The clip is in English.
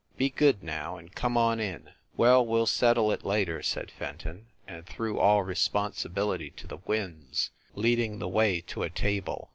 Be good, now, and come on in!" "Well, we ll settle it later," said Fenton, and threw all responsibility to the winds, leading the way to a table.